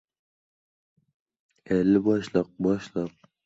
Belarus prezidenti Ukraina bilan chegaralar yopilishini ma’lum qildi